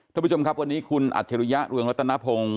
ทุกผู้ชมครับวันนี้คุณอัธยุยะรวงลตนพงศ์